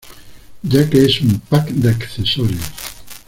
Ya que es un "pack de accesorios".